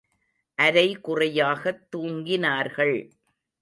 அரை குறையாகத் தூங்கினார்கள்.